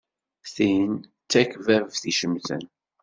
Tin d takbabt icemten.